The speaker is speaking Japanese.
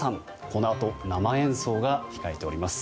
このあと生演奏が控えております。